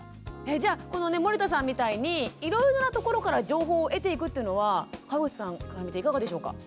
じゃあ森田さんみたいにいろいろなところから情報を得ていくというのは川口さんから見ていかがでしょうか？